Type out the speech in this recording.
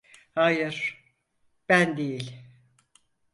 Hayır, ben değil.